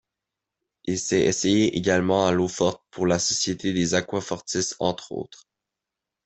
Il s'est essayé également à l'eau-forte, pour la Société des aquafortistes, entre autres.